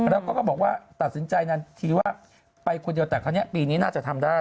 แล้วก็ก็บอกว่าตัดสินใจนั้นทีว่าไปคนเดียวแต่คราวนี้ปีนี้น่าจะทำได้